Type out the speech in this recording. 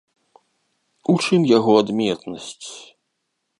У чым яго адметнасць?